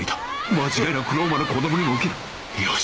間違いなくローマの子供にも受けるよし！